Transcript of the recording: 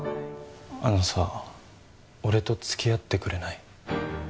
あのさ俺と付き合ってくれない？